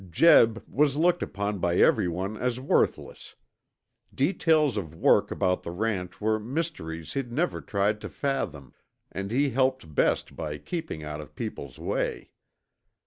Jeb was looked upon by everyone as worthless. Details of work about the ranch were mysteries he'd never tried to fathom, and he helped best by keeping out of people's way.